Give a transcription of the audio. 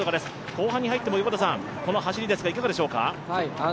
後半に入ってもこの走りですが、いかがでしょうか？